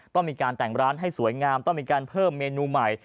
ต้องมีการแต่งร้านให้สวยงามต้องมีการเพิ่มเมนูใหม่